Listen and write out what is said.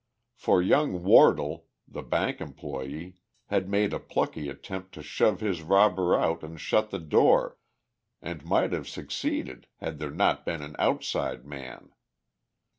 For young Wardle, the bank employee, had made a plucky attempt to shove his robber out and shut the door, and might have succeeded had there not been an outside man.